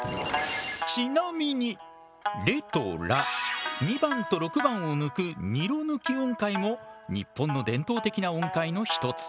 ちなみにレとラ２番と６番を抜くニロ抜き音階も日本の伝統的な音階の一つ。